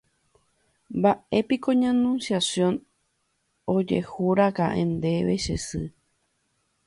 Mba'épiko ña Anunciación ojehúraka'e ndéve che sy.